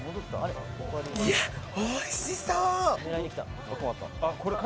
おいしそう！